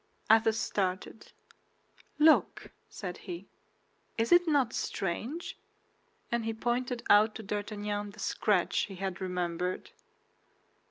Athos started. "Look," said he, "is it not strange?" and he pointed out to D'Artagnan the scratch he had remembered.